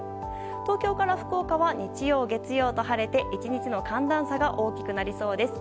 東京から福岡は日曜、月曜と晴れて１日の寒暖差が大きくなりそうです。